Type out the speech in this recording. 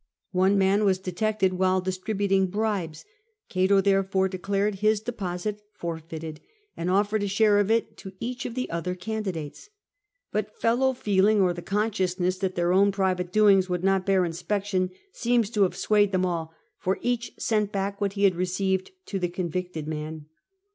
One man was detected while distributing bribes : Cato therefore declared his deposit forfeited, and offered a share of it to each of the other candidates. But fellow feeling, or the consciousness that ^ their own private doings would not bear inspection, seams to have swayed them all, for each sent back what h© had received to the convicted man.